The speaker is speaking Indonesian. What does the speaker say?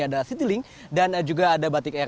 ada citylink dan juga ada batik air